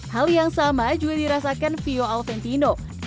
hal yang sama juga dirasakan vio alventino